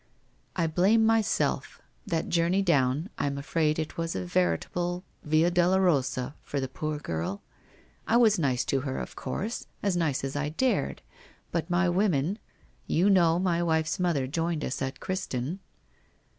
' I blame myself. That journey down — I am afraid it was a veritable Via Dolorosa for the poor girl! I was nice to her, of course, as nice as I dared, but my women — you know my wife's mother joined us at Criston?